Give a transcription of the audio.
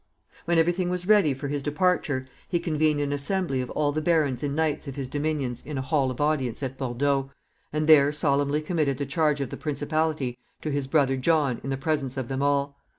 When every thing was ready for his departure, he convened an assembly of all the barons and knights of his dominions in a hall of audience at Bordeaux, and there solemnly committed the charge of the principality to his brother John in the presence of them all.